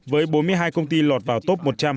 với bốn mươi hai công ty lọt vào top một trăm linh